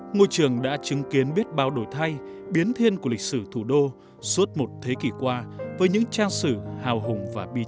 ngôi trường đã chứng kiến biết bao đổi thay biến thiên của lịch sử thủ đô suốt một thế kỷ qua với những trang sử hào hùng và big